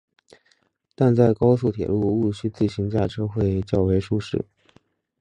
但高速铁路毋须自行驾车会较为舒适。